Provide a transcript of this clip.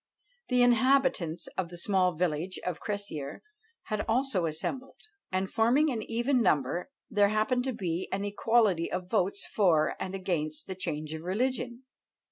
The inhabitants of the small village of Cressier had also assembled; and forming an even number, there happened to be an equality of votes for and against the change of religion.